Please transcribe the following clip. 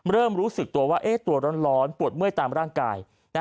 เริ่มรู้สึกตัวว่าตัวร้อนปวดเมื่อยตามร่างกาย